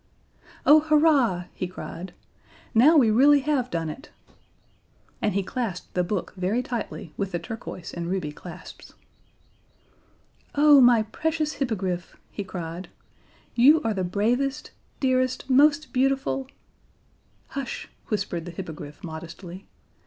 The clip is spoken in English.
"Oh, hurrah!" he cried. "Now we really have done it." And he clasped the book very tightly with the turquoise and ruby clasps. "Oh, my precious Hippogriff," he cried. "You are the bravest, dearest, most beautiful " "Hush," whispered the Hippogriff modestly.